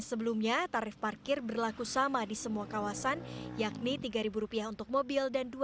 sebelumnya tarif parkir berlaku sama di semua kawasan yakni tiga rupiah untuk mobil dan